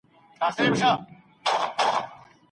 ځيني خلک ډير اولادونه لري؛ خو ټول پر هدايت وي.